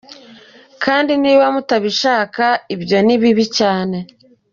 Kandi niba mutabishaka ibyo ni bibi cyane”